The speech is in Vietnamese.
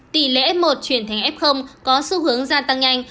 tỷ lệ f một chuyển thành f có xu hướng gia tăng nhanh